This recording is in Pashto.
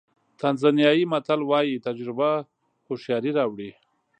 تانزانیایي متل وایي تجربه هوښیاري راوړي.